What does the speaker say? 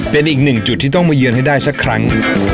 เป็นอีกหนึ่งจุดที่ต้องมาเยือนให้ได้สักครั้ง